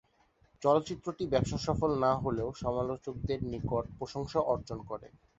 চলচ্চিত্রটি ব্যবসাসফল না হলেও সমালোচকদের নিকট প্রশংসা অর্জন করে।